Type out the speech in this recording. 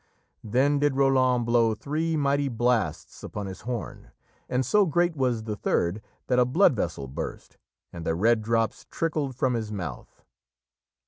Then did Roland blow three mighty blasts upon his horn, and so great was the third that a blood vessel burst, and the red drops trickled from his mouth.